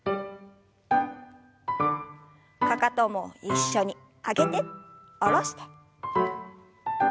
かかとも一緒に上げて下ろして。